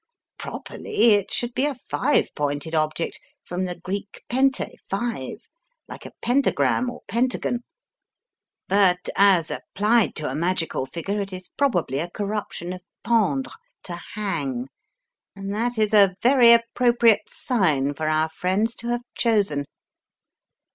Properly it should be a five pointed object, from the Greek pente, five, like a pentagram, or pentagon, but as applied to a 54 The Riddle of the Purple Emperor magical figure it is probably a corruption of pen dre, to hang, and that is a very appropriate sign for our friends to have chosen.